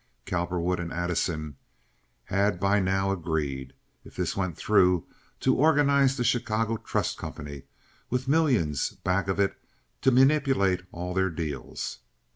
Cowperwood and Addison had by now agreed, if this went through, to organize the Chicago Trust Company with millions back of it to manipulate all their deals.